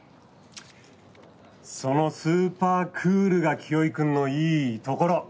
そのスーパークールが清居君のいいところ。